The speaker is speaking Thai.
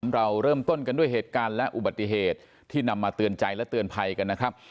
เราเริ่มต้นกันด้วยเหตุการณ์และอุบัติเหตุที่นำมาเตือนใจและเตือนภัยกันนะครับ